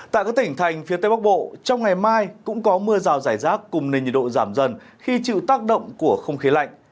tại các tỉnh thành phía tây bắc bộ trong ngày mai cũng có mưa rào rải rác cùng nền nhiệt độ giảm dần khi chịu tác động của không khí lạnh